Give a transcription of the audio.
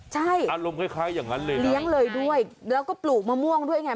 ใช่อารมณ์คล้ายอย่างนั้นเลยเลี้ยงเลยด้วยแล้วก็ปลูกมะม่วงด้วยไง